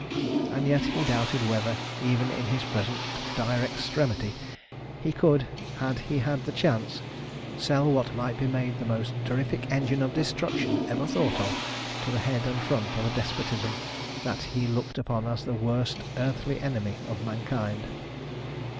And yet he doubted whether, even in his present dire extremity, he could, had he had the chance, sell what might be made the most terrific engine of destruction ever thought of to the head and front of a despotism that he looked upon as the worst earthly enemy of mankind.